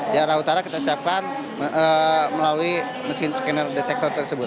di arah utara kita siapkan melalui mesin scanner detektor tersebut